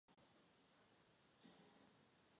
I nadále převažují Arméni.